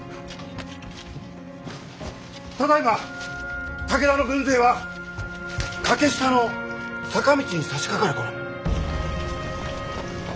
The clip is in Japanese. ただいま武田の軍勢は欠下の坂道にさしかかる頃。